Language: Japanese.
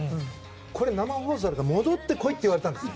これ、生放送あるから戻って来いって言われたんですよ。